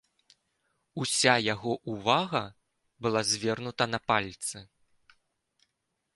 Уся яго ўвага была звернута на пальцы.